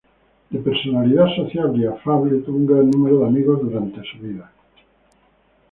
De personalidad sociable y afable tuvo un gran número de amigos durante su vida.